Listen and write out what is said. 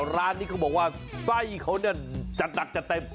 ร้านนี้เขาบอกว่าไส้เขาเนี่ยจัดหนักจัดเต็ม